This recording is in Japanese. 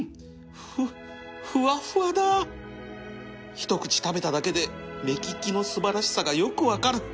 一口食べただけで目利きの素晴らしさがよく分かる